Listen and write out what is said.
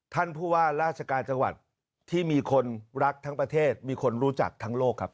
ท่านผู้ว่าราชการจังหวัดที่มีคนรักทั้งประเทศมีคนรู้จักทั้งโลกครับ